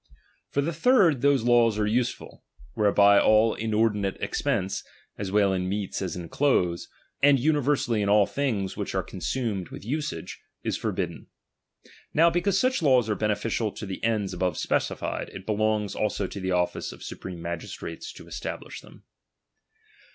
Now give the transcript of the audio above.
For the third those laws are usefal, ■■—■ whereby all inordinate expense, as well in meats as in clothes, and universally in all things which are consumed with usage, is forbidden. Now because such laws are beneficial to the ends above specified, it belongs also to the office of supreme magistrates to establish them.